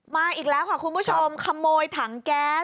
มาอีกแล้วค่ะคุณผู้ชมขโมยถังแก๊ส